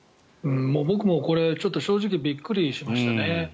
僕もこれ、正直びっくりしましたね。